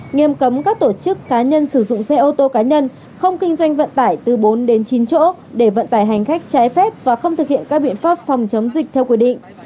nghiêm cấm các tổ chức cá nhân sử dụng xe ô tô cá nhân không kinh doanh vận tải từ bốn đến chín chỗ để vận tải hành khách trái phép và không thực hiện các biện pháp phòng chống dịch theo quy định